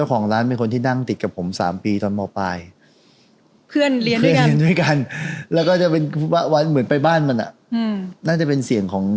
ก่อนหน้านี้ที่โดนหนักเนี่ย